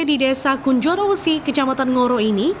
di desa kunjoro wesi